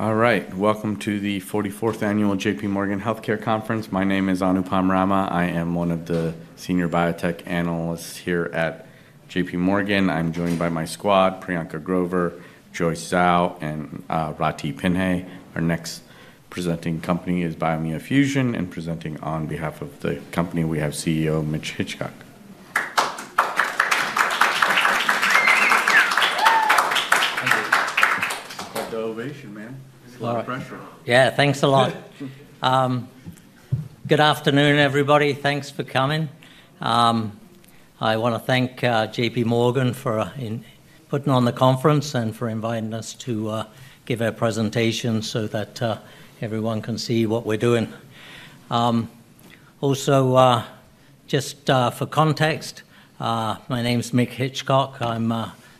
All right, welcome to the 44th Annual JPMorgan Healthcare Conference. My name is Anupam Rama. I am one of the senior biotech analysts here at JPMorgan. I'm joined by my squad: Priyanka Grover, Joyce Zhao, and Rathi Pintai. Our next presenting company is Biomea Fusion, and presenting on behalf of the company, we have CEO Mick Hitchcock. Thank you. I'll call it an ovation, man. It's a lot of pressure. Yeah, thanks a lot. Good afternoon, everybody. Thanks for coming. I want to thank JPMorgan for putting on the conference and for inviting us to give our presentation so that everyone can see what we're doing. Also, just for context, my name's Mick Hitchcock. I'm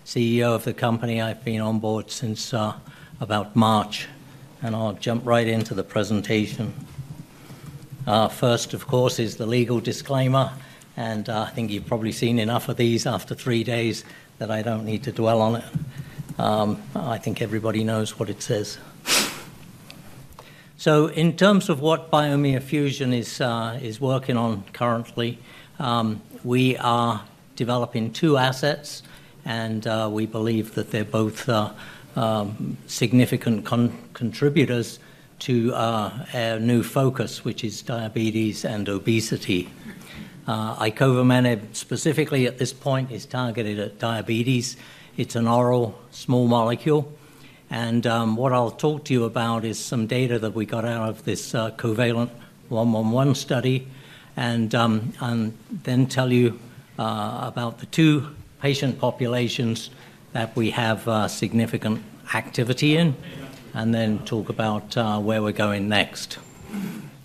CEO of the company. I've been on board since about March, and I'll jump right into the presentation. First, of course, is the legal disclaimer, and I think you've probably seen enough of these after three days that I don't need to dwell on it. I think everybody knows what it says, so in terms of what Biomea Fusion is working on currently, we are developing two assets, and we believe that they're both significant contributors to our new focus, which is diabetes and obesity. Icovamenib, specifically at this point, is targeted at diabetes. It's an oral small molecule. What I'll talk to you about is some data that we got out of this COVALENT-111 study, and then tell you about the two patient populations that we have significant activity in, and then talk about where we're going next.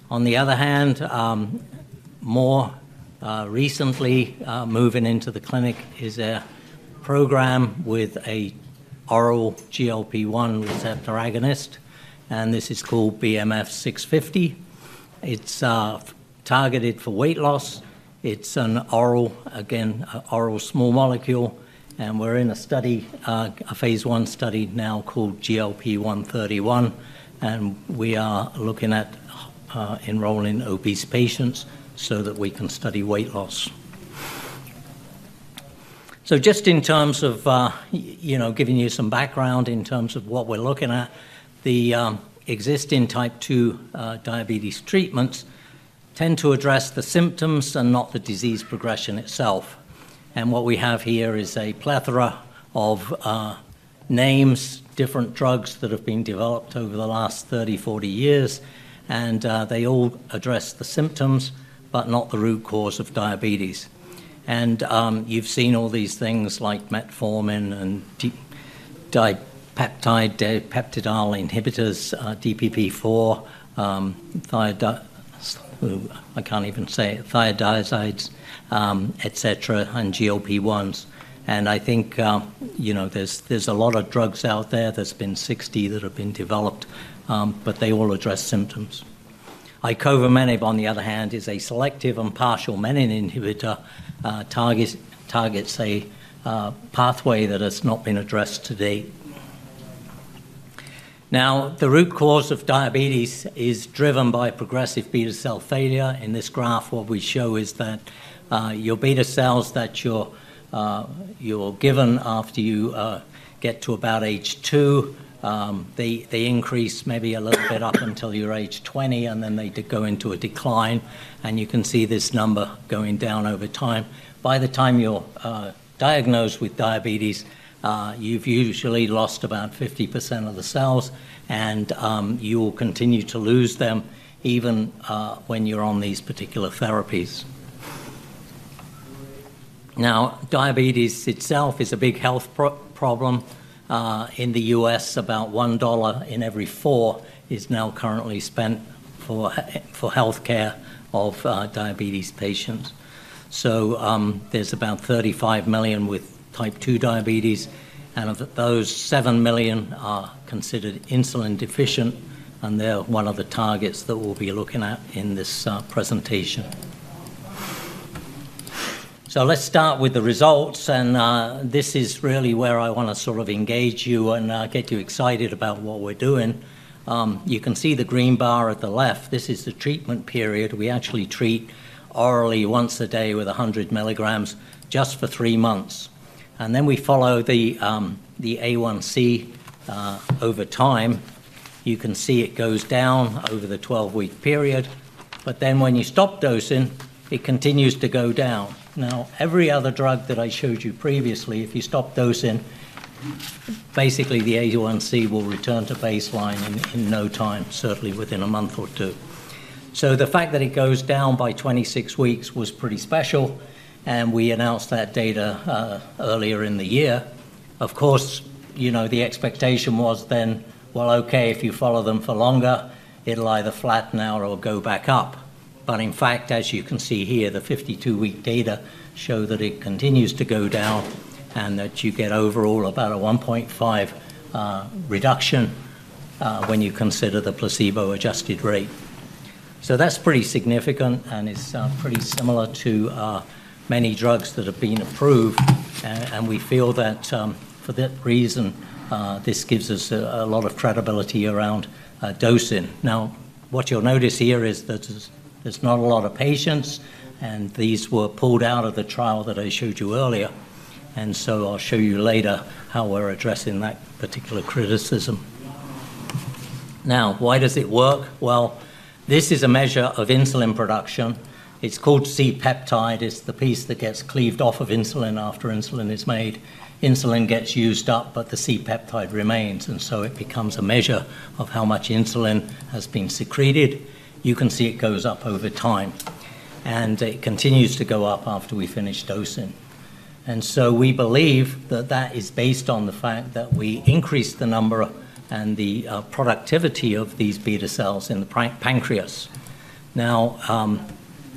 On the other hand, more recently moving into the clinic is a program with an oral GLP-1 receptor agonist, and this is called BMF-650. It's targeted for weight loss. It's an oral, again, oral small molecule. We're in a study, a phase I study now called GLP-131. We are looking at enrolling obese patients so that we can study weight loss. Just in terms of giving you some background in terms of what we're looking at, the existing Type 2 diabetes treatments tend to address the symptoms and not the disease progression itself. And what we have here is a plethora of names, different drugs that have been developed over the last 30, 40 years, and they all address the symptoms but not the root cause of diabetes. And you've seen all these things like metformin and dipeptidyl peptidase inhibitors, DPP-4, I can't even say it, thiazides, et cetera, and GLP-1s. And I think there's a lot of drugs out there. There's been 60 that have been developed, but they all address symptoms. Icovamenib, on the other hand, is a selective and partial menin inhibitor, targets a pathway that has not been addressed to date. Now, the root cause of diabetes is driven by progressive beta cell failure. In this graph, what we show is that your beta cells that you're given after you get to about age two, they increase maybe a little bit up until you're age 20, and then they go into a decline. You can see this number going down over time. By the time you're diagnosed with diabetes, you've usually lost about 50% of the cells, and you will continue to lose them even when you're on these particular therapies. Now, diabetes itself is a big health problem. In the U.S., about $1 in every four is now currently spent for healthcare of diabetes patients. There's about 35 million with Type 2 diabetes, and of those, 7 million are considered insulin deficient, and they're one of the targets that we'll be looking at in this presentation. Let's start with the results. This is really where I want to sort of engage you and get you excited about what we're doing. You can see the green bar at the left. This is the treatment period. We actually treat orally once a day with 100 mg just for three months. And then we follow the A1C over time. You can see it goes down over the 12-week period. But then when you stop dosing, it continues to go down. Now, every other drug that I showed you previously, if you stop dosing, basically the A1C will return to baseline in no time, certainly within a month or two. So the fact that it goes down by 26 weeks was pretty special, and we announced that data earlier in the year. Of course, the expectation was then, well, okay, if you follow them for longer, it'll either flatten out or go back up. But in fact, as you can see here, the 52-week data show that it continues to go down and that you get overall about a 1.5 reduction when you consider the placebo-adjusted rate. So that's pretty significant, and it's pretty similar to many drugs that have been approved. And we feel that for that reason, this gives us a lot of credibility around dosing. Now, what you'll notice here is that there's not a lot of patients, and these were pulled out of the trial that I showed you earlier. And so I'll show you later how we're addressing that particular criticism. Now, why does it work? Well, this is a measure of insulin production. It's called C-peptide. It's the piece that gets cleaved off of insulin after insulin is made. Insulin gets used up, but the C-peptide remains. And so it becomes a measure of how much insulin has been secreted. You can see it goes up over time, and it continues to go up after we finish dosing. And so we believe that that is based on the fact that we increase the number and the productivity of these beta cells in the pancreas. Now,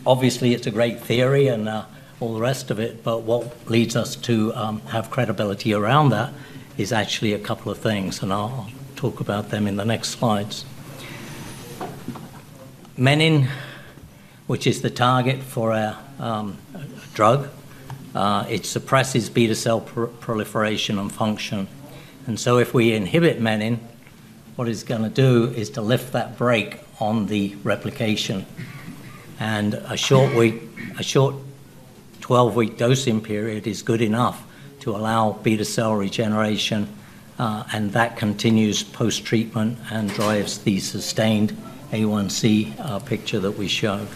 obviously, it's a great theory and all the rest of it, but what leads us to have credibility around that is actually a couple of things, and I'll talk about them in the next slides. Menin, which is the target for our drug, it suppresses beta cell proliferation and function. And so if we inhibit menin, what it's going to do is to lift that brake on the replication. A short 12-week dosing period is good enough to allow beta cell regeneration, and that continues post-treatment and drives the sustained A1C picture that we showed.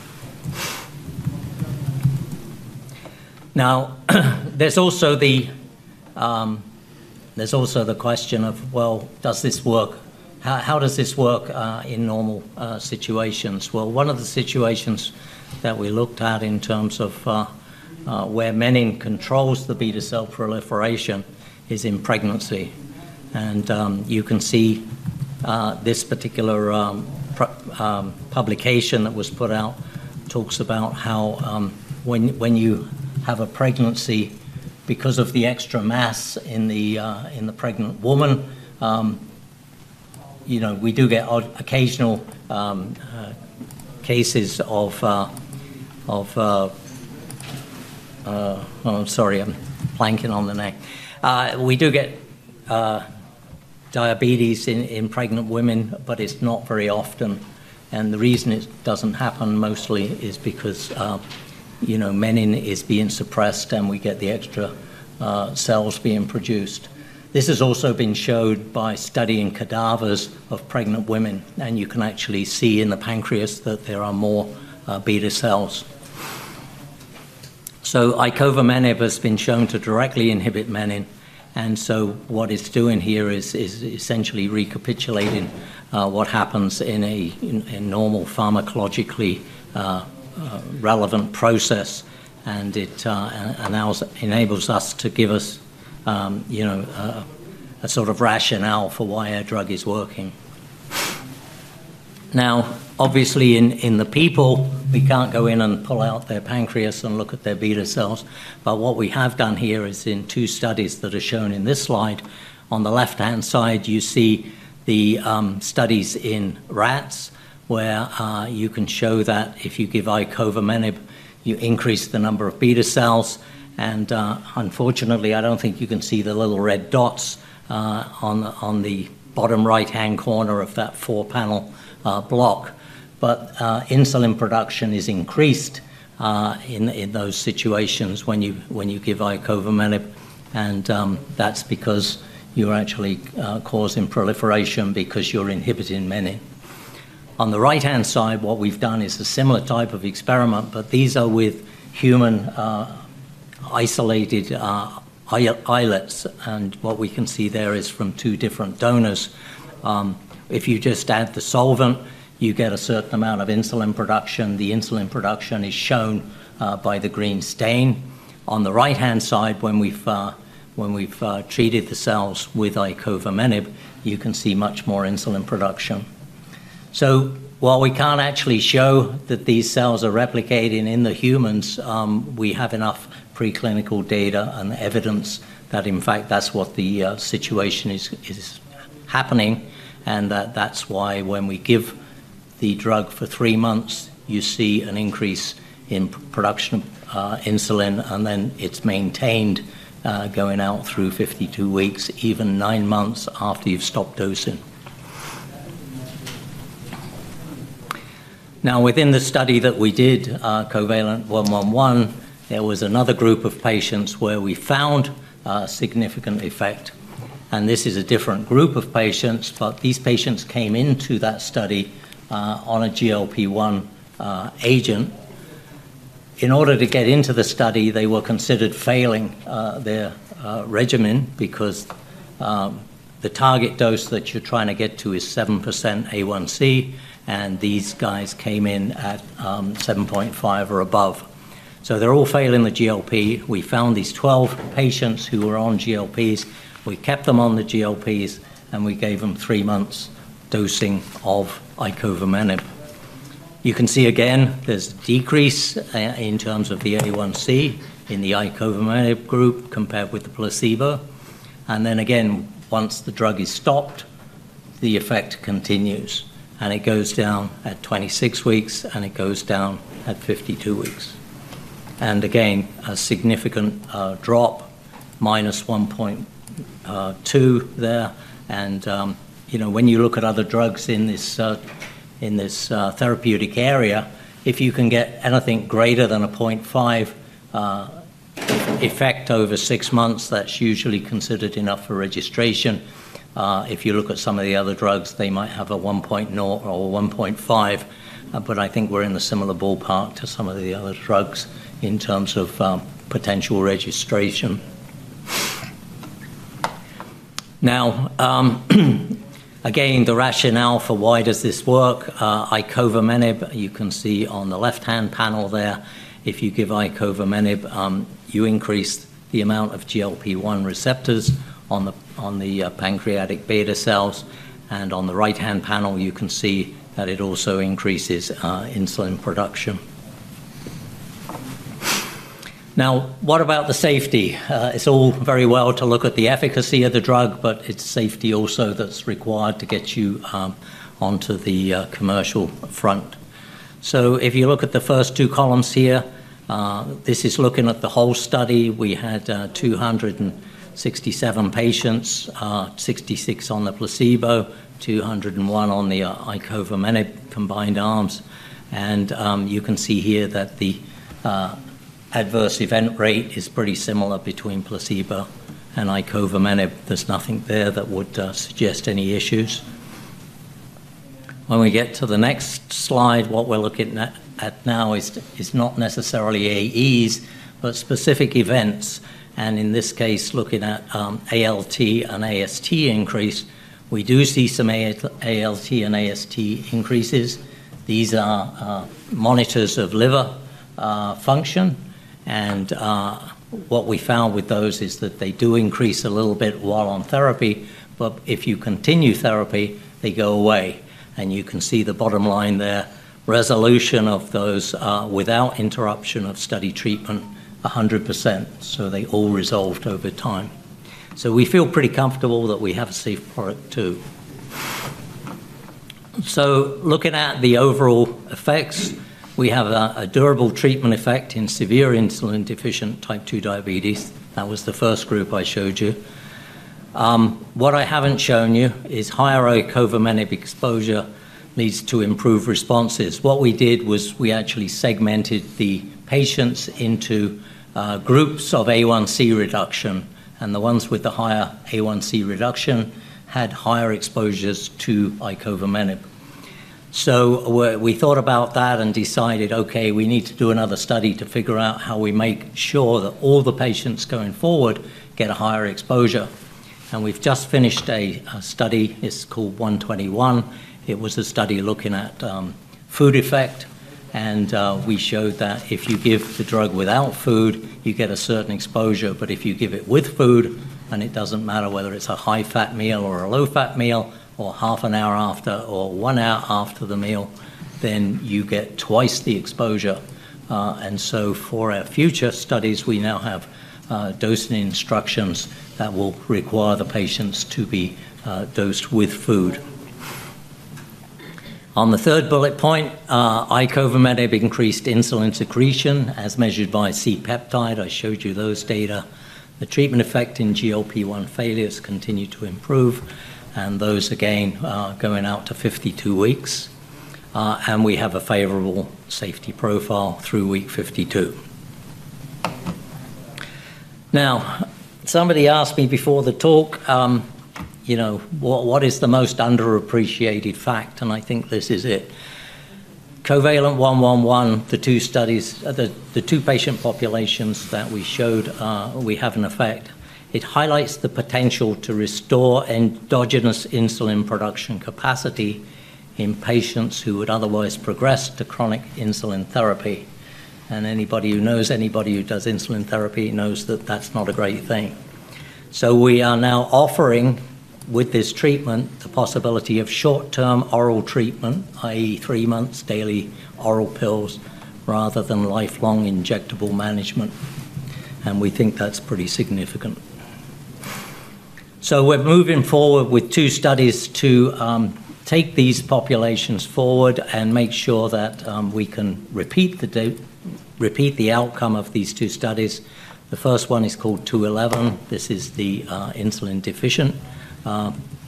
Now, there's also the question of, well, does this work? How does this work in normal situations? Well, one of the situations that we looked at in terms of where menin controls the beta cell proliferation is in pregnancy. And you can see this particular publication that was put out talks about how when you have a pregnancy, because of the extra mass in the pregnant woman, we do get occasional cases of, I'm sorry, I'm blanking on the name. We do get diabetes in pregnant women, but it's not very often. And the reason it doesn't happen mostly is because menin is being suppressed and we get the extra cells being produced. This has also been showed by studying cadavers of pregnant women, and you can actually see in the pancreas that there are more beta cells. So icovamenib has been shown to directly inhibit menin. And so what it's doing here is essentially recapitulating what happens in a normal pharmacologically relevant process, and it enables us to give us a sort of rationale for why our drug is working. Now, obviously, in the people, we can't go in and pull out their pancreas and look at their beta cells. But what we have done here is in two studies that are shown in this slide. On the left-hand side, you see the studies in rats where you can show that if you give icovamenib, you increase the number of beta cells. And unfortunately, I don't think you can see the little red dots on the bottom right-hand corner of that four-panel block. But insulin production is increased in those situations when you give icovamenib, and that's because you're actually causing proliferation because you're inhibiting menin. On the right-hand side, what we've done is a similar type of experiment, but these are with human isolated islets, and what we can see there is from two different donors. If you just add the solvent, you get a certain amount of insulin production. The insulin production is shown by the green stain. On the right-hand side, when we've treated the cells with icovamenib, you can see much more insulin production. While we can't actually show that these cells are replicating in the humans, we have enough preclinical data and evidence that, in fact, that's what the situation is happening, and that's why when we give the drug for three months, you see an increase in production of insulin, and then it's maintained going out through 52 weeks, even nine months after you've stopped dosing. Now, within the study that we did, COVALENT-111, there was another group of patients where we found significant effect. This is a different group of patients, but these patients came into that study on a GLP-1 agent. In order to get into the study, they were considered failing their regimen because the target dose that you're trying to get to is 7% A1C, and these guys came in at 7.5 or above. They're all failing the GLP. We found these 12 patients who were on GLPs. We kept them on the GLPs, and we gave them three months' dosing of icovamenib. You can see again there's a decrease in terms of the A1C in the icovamenib group compared with the placebo, and then again, once the drug is stopped, the effect continues, and it goes down at 26 weeks, and it goes down at 52 weeks, and again, a significant drop, minus 1.2 there. And when you look at other drugs in this therapeutic area, if you can get anything greater than a 0.5 effect over six months, that's usually considered enough for registration. If you look at some of the other drugs, they might have a 1.0 or 1.5, but I think we're in the similar ballpark to some of the other drugs in terms of potential registration. Now, again, the rationale for why does this work? Icovamenib, you can see on the left-hand panel there, if you give icovamenib, you increase the amount of GLP-1 receptors on the pancreatic beta cells. And on the right-hand panel, you can see that it also increases insulin production. Now, what about the safety? It's all very well to look at the efficacy of the drug, but it's safety also that's required to get you onto the commercial front. So if you look at the first two columns here, this is looking at the whole study. We had 267 patients, 66 on the placebo, 201 on the icovamenib combined arms. And you can see here that the adverse event rate is pretty similar between placebo and icovamenib. There's nothing there that would suggest any issues. When we get to the next slide, what we're looking at now is not necessarily AEs, but specific events, and in this case, looking at ALT and AST increase, we do see some ALT and AST increases. These are monitors of liver function, and what we found with those is that they do increase a little bit while on therapy, but if you continue therapy, they go away, and you can see the bottom line there, resolution of those without interruption of study treatment, 100%, so they all resolved over time, so we feel pretty comfortable that we have a safe product too, so looking at the overall effects, we have a durable treatment effect in severe insulin-deficient Type 2 diabetes. That was the first group I showed you. What I haven't shown you is higher icovamenib exposure leads to improved responses. What we did was we actually segmented the patients into groups of A1C reduction, and the ones with the higher A1C reduction had higher exposures to icovamenib, so we thought about that and decided, okay, we need to do another study to figure out how we make sure that all the patients going forward get a higher exposure, and we've just finished a study. It's called 121. It's a study looking at food effect, and we showed that if you give the drug without food, you get a certain exposure. But if you give it with food, and it doesn't matter whether it's a high-fat meal or a low-fat meal or half an hour after or one hour after the meal, then you get twice the exposure, and so for our future studies, we now have dosing instructions that will require the patients to be dosed with food. On the third bullet point, icovamenib increased insulin secretion as measured by C-peptide. I showed you those data. The treatment effect in GLP-1 failures continued to improve, and those again are going out to 52 weeks. And we have a favorable safety profile through week 52. Now, somebody asked me before the talk, what is the most underappreciated fact? And I think this is it. COVALENT-111, the two patient populations that we showed, we have an effect. It highlights the potential to restore endogenous insulin production capacity in patients who would otherwise progress to chronic insulin therapy. And anybody who knows anybody who does insulin therapy knows that that's not a great thing. So we are now offering, with this treatment, the possibility of short-term oral treatment, i.e., three months' daily oral pills rather than lifelong injectable management. And we think that's pretty significant. We're moving forward with two studies to take these populations forward and make sure that we can repeat the outcome of these two studies. The first one is called COVALENT-211. This is the insulin deficient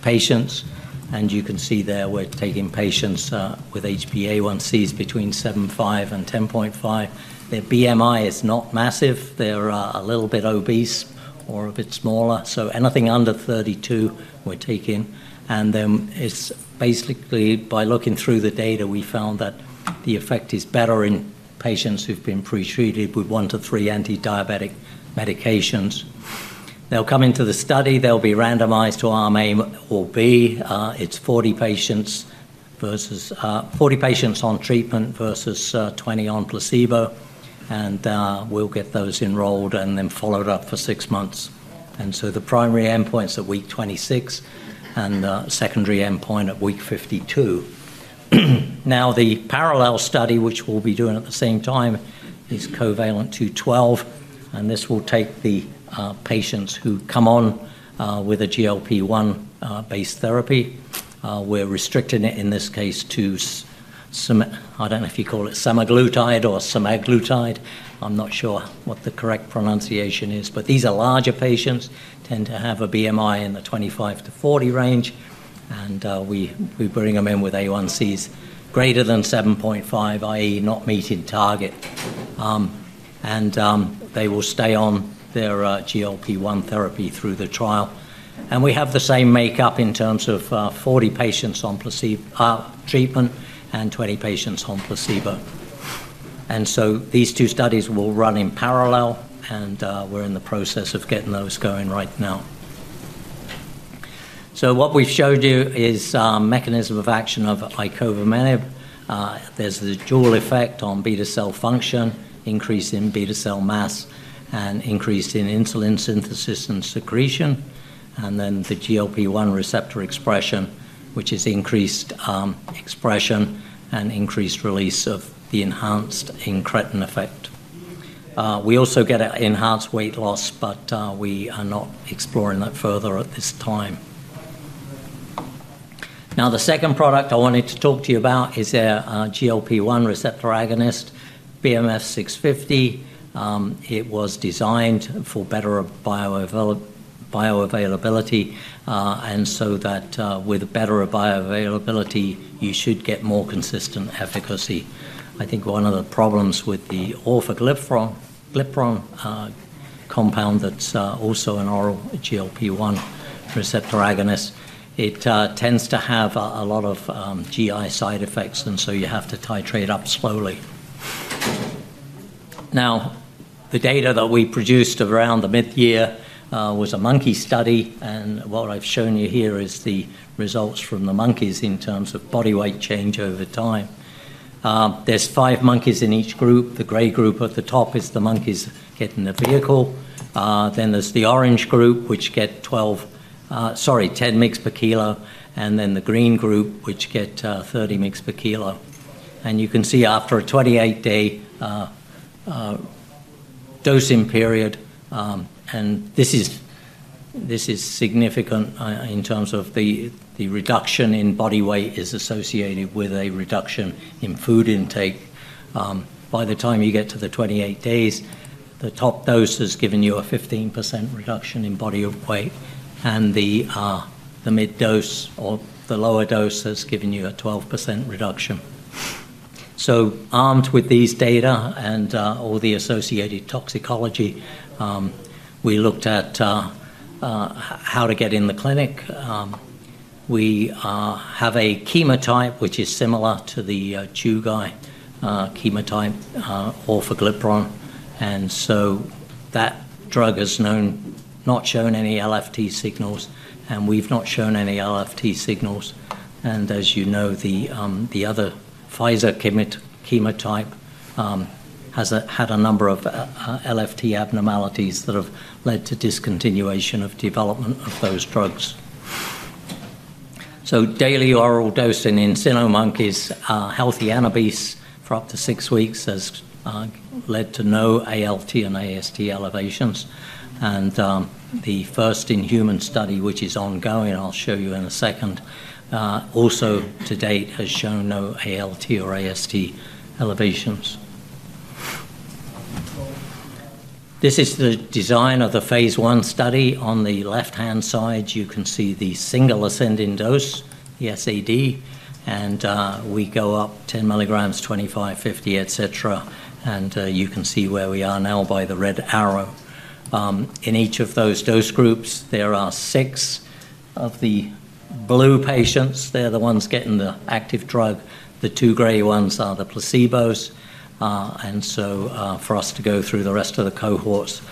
patients. And you can see there we're taking patients with HbA1c between 7.5 and 10.5. Their BMI is not massive. They're a little bit obese or a bit smaller. So anything under 32, we're taking. And then it's basically by looking through the data, we found that the effect is better in patients who've been pretreated with one to three antidiabetic medications. They'll come into the study. They'll be randomized to arm A or B. It's 40 patients on treatment versus 20 on placebo. And we'll get those enrolled and then followed up for six months. And so the primary endpoint's at week 26 and the secondary endpoint at week 52. Now, the parallel study, which we'll be doing at the same time, is COVALENT-212. And this will take the patients who come on with a GLP-1-based therapy. We're restricting it in this case to, I don't know if you call it semaglutide or semaglutide. I'm not sure what the correct pronunciation is. But these are larger patients, tend to have a BMI in the 25-40 range. And we bring them in with A1Cs greater than 7.5, i.e., not meeting target. And they will stay on their GLP-1 therapy through the trial. And we have the same makeup in terms of 40 patients on treatment and 20 patients on placebo. And so these two studies will run in parallel, and we're in the process of getting those going right now. So what we've showed you is the mechanism of action of icovamenib. There's the dual effect on beta cell function, increase in beta cell mass, and increase in insulin synthesis and secretion, and then the GLP-1 receptor expression, which is increased expression and increased release of the enhanced incretin effect. We also get enhanced weight loss, but we are not exploring that further at this time. Now, the second product I wanted to talk to you about is our GLP-1 receptor agonist, BMF-650. It was designed for better bioavailability, and so that with better bioavailability, you should get more consistent efficacy. I think one of the problems with the orforglipron compound that's also an oral GLP-1 receptor agonist, it tends to have a lot of GI side effects, and so you have to titrate up slowly. Now, the data that we produced around the mid-year was a monkey study, and what I've shown you here is the results from the monkeys in terms of body weight change over time. There's five monkeys in each group. The gray group at the top is the monkeys getting the vehicle. Then there's the orange group, which get 12, sorry, 10 mg per kilo, and then the green group, which get 30 mg per kilo. And you can see after a 28-day dosing period, and this is significant in terms of the reduction in body weight is associated with a reduction in food intake. By the time you get to the 28 days, the top dose has given you a 15% reduction in body weight, and the mid-dose or the lower dose has given you a 12% reduction. So armed with these data and all the associated toxicology, we looked at how to get in the clinic. We have a chemotype, which is similar to the Chugai chemotype, orforglipron. And so that drug has not shown any LFT signals, and we've not shown any LFT signals. And as you know, the other Pfizer chemotype has had a number of LFT abnormalities that have led to discontinuation of development of those drugs. So daily oral dose in cyno monkeys, healthy and obese for up to six weeks has led to no ALT and AST elevations. And the first in-human study, which is ongoing, I'll show you in a second, also to date has shown no ALT or AST elevations. This is the design of the phase I study. On the left-hand side, you can see the single ascending dose, the SAD, and we go up 10 mg, 25 mg, 50 mg, et cetera. And you can see where we are now by the red arrow. In each of those dose groups, there are six of the blue patients. They're the ones getting the active drug. The two gray ones are the placebos. And so for us to go through the rest of the cohorts,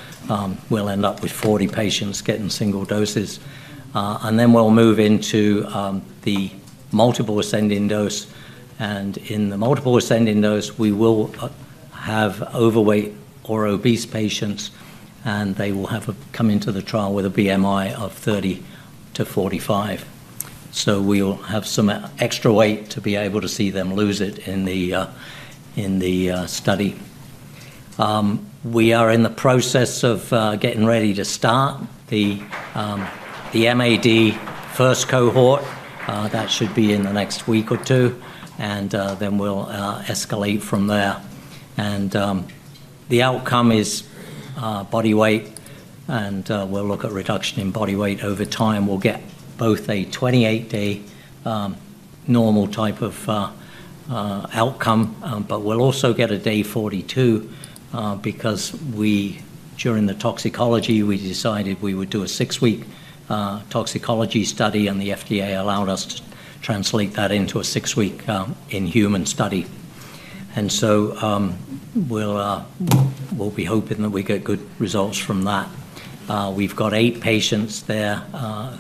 we'll end up with 40 patients getting single doses. And then we'll move into the multiple ascending dose. And in the multiple ascending dose, we will have overweight or obese patients, and they will have come into the trial with a BMI of 30-45. So we'll have some extra weight to be able to see them lose it in the study. We are in the process of getting ready to start the MAD first cohort. That should be in the next week or two, and then we'll escalate from there. And the outcome is body weight, and we'll look at reduction in body weight over time. We'll get both a 28-day normal type of outcome, but we'll also get a day 42 because during the toxicology, we decided we would do a six-week toxicology study, and the FDA allowed us to translate that into a six-week in-human study. And so we'll be hoping that we get good results from that. We've got eight patients there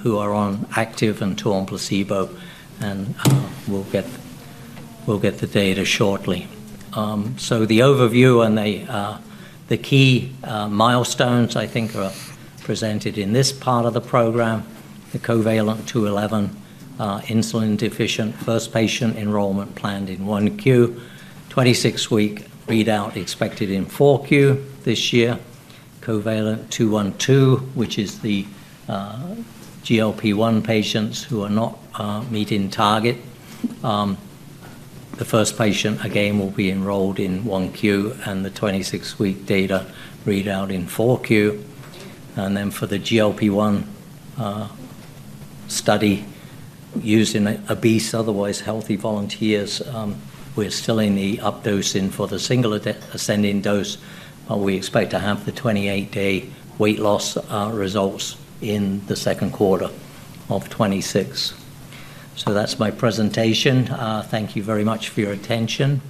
who are on active and two on placebo, and we'll get the data shortly. The overview and the key milestones, I think, are presented in this part of the program: the COVALENT-211 insulin-deficient first patient enrollment planned in 1Q, 26-week readout expected in 4Q this year; COVALENT-212, which is the GLP-1 patients who are not meeting target. The first patient, again, will be enrolled in 1Q, and the 26-week data readout in 4Q. And then for the GLP-1 study, using obese, otherwise healthy volunteers, we're still in the updose in for the single ascending dose, but we expect to have the 28-day weight loss results in the second quarter of 2026. That's my presentation. Thank you very much for your attention.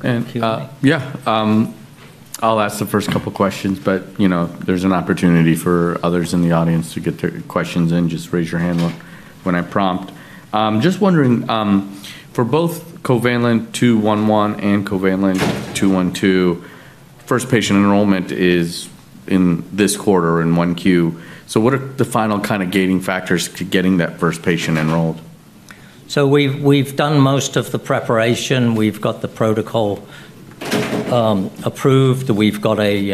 Thank you. Yeah. I'll ask the first couple of questions, but there's an opportunity for others in the audience to get their questions in. Just raise your hand when I prompt. Just wondering, for both COVALENT-211 and COVALENT-212, first patient enrollment is in this quarter in Q1. So what are the final kind of gating factors to getting that first patient enrolled? So we've done most of the preparation. We've got the protocol approved. We've got a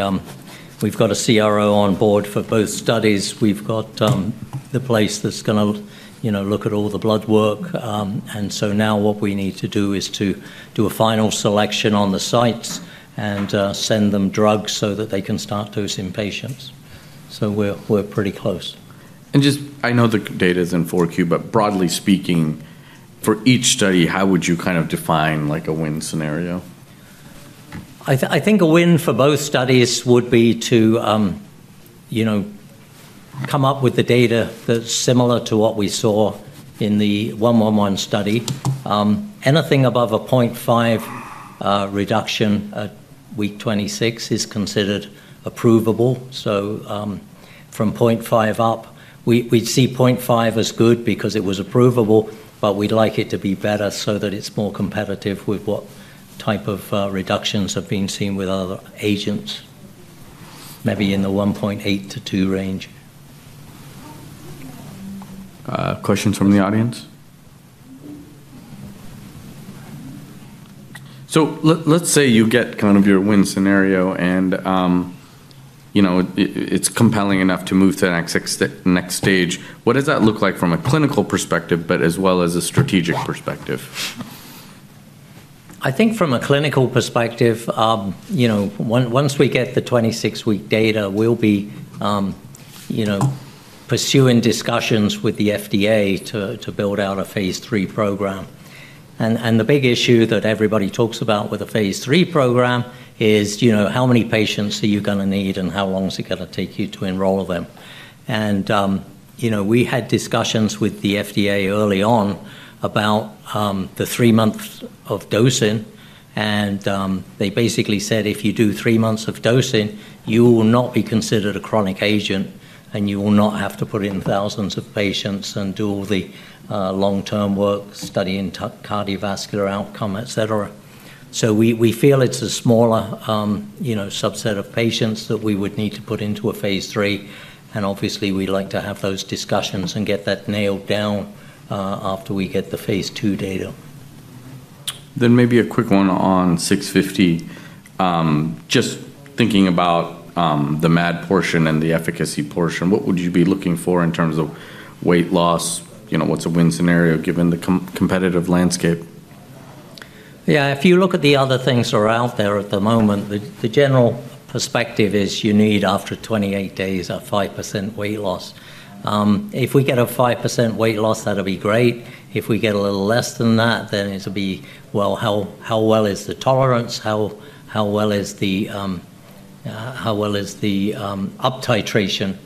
CRO on board for both studies. We've got the place that's going to look at all the blood work. And so now what we need to do is to do a final selection on the sites and send them drugs so that they can start dosing patients. So we're pretty close. And just I know the data is in Q4, but broadly speaking, for each study, how would you kind of define a win scenario? I think a win for both studies would be to come up with the data that's similar to what we saw in the 111 study. Anything above a 0.5 reduction at week 26 is considered approvable. So from 0.5 up, we'd see 0.5 as good because it was approvable, but we'd like it to be better so that it's more competitive with what type of reductions have been seen with other agents, maybe in the 1.8-2 range. Questions from the audience? So let's say you get kind of your win scenario, and it's compelling enough to move to the next stage. What does that look like from a clinical perspective, but as well as a strategic perspective? I think from a clinical perspective, once we get the 26-week data, we'll be pursuing discussions with the FDA to build out a phase III program. The big issue that everybody talks about with a phase III program is how many patients are you going to need, and how long is it going to take you to enroll them? We had discussions with the FDA early on about the three months of dosing. They basically said, "If you do three months of dosing, you will not be considered a chronic agent, and you will not have to put in thousands of patients and do all the long-term work, studying cardiovascular outcome, et cetera." We feel it's a smaller subset of patients that we would need to put into a phase III. Obviously, we'd like to have those discussions and get that nailed down after we get the phase II data. Maybe a quick one on 650. Just thinking about the MAD portion and the efficacy portion, what would you be looking for in terms of weight loss? What's a win scenario given the competitive landscape? Yeah. If you look at the other things that are out there at the moment, the general perspective is you need after 28 days a 5% weight loss. If we get a 5% weight loss, that'll be great. If we get a little less than that, then it'll be, well, how well is the tolerance? How well is the up-titration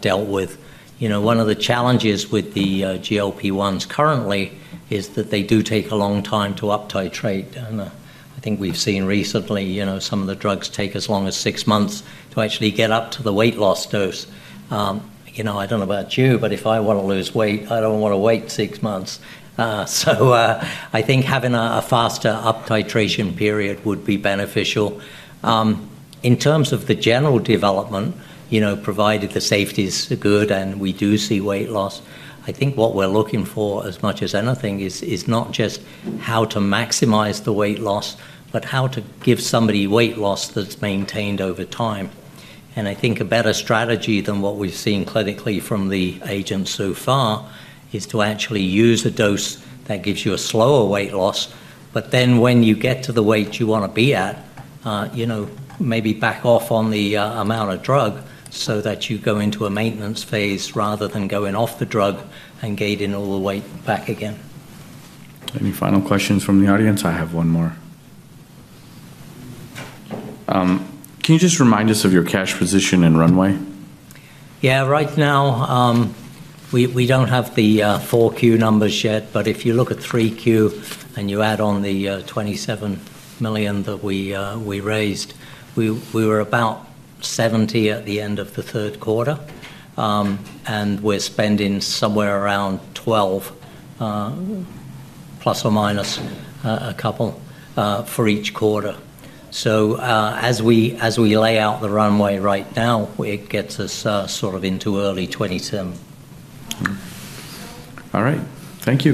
dealt with? One of the challenges with the GLP-1s currently is that they do take a long time to up-titrate, and I think we've seen recently some of the drugs take as long as six months to actually get up to the weight loss dose. I don't know about you, but if I want to lose weight, I don't want to wait six months. So I think having a faster up-titration period would be beneficial. In terms of the general development, provided the safety is good and we do see weight loss, I think what we're looking for, as much as anything, is not just how to maximize the weight loss, but how to give somebody weight loss that's maintained over time. And I think a better strategy than what we've seen clinically from the agents so far is to actually use a dose that gives you a slower weight loss. But then when you get to the weight you want to be at, maybe back off on the amount of drug so that you go into a maintenance phase rather than going off the drug and gaining all the weight back again. Any final questions from the audience? I have one more. Can you just remind us of your cash position and runway? Yeah. Right now, we don't have the4 Q numbers yet, but if you look at 3Q and you add on the $27 million that we raised, we were about $70 million at the end of the third quarter, and we're spending somewhere around $12 million, plus or minus a couple, for each quarter. So as we lay out the runway right now, it gets us sort of into early 2027. All right. Thank you.